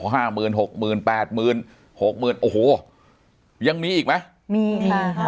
ห้าหมื่นหกหมื่นแปดหมื่นหกหมื่นโอ้โหยังมีอีกไหมมีค่ะ